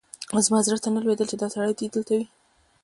زما زړه ته نه لوېدل چې دا سړی دې دلته وي.